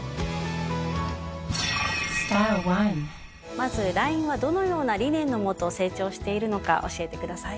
まずＬＩＮＥはどのような理念の下成長しているのか教えてください。